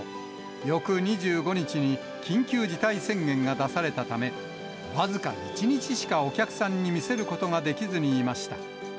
翌２５日に緊急事態宣言が出されたため、僅か１日しかお客さんに見せることができずにいました。